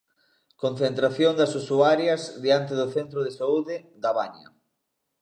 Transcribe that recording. Concentración das usuarias diante do centro de saúde da Baña.